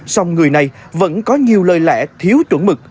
song người này vẫn có nhiều lời lẽ thiếu chuẩn mực